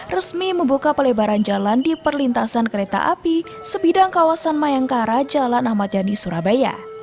resmi membuka pelebaran jalan di perlintasan kereta api sebidang kawasan mayangkara jalan ahmad yani surabaya